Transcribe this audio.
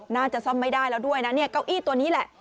น่าจะซ่อมไม่ได้แล้วด้วยนะเนี่ยเก้าอี้ตัวนี้แหละ